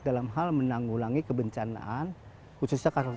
dalam hal menanggulangi kebencanaan khususnya karena